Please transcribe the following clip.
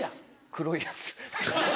黒いやつ。